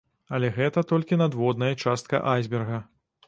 Але, гэта толькі надводная частка айсберга.